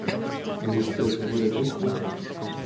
Existuje svoboda tisku?